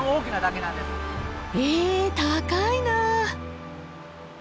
え高いなあ。